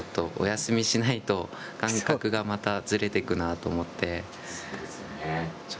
お休みしないと感覚がまたずれていくなと思って。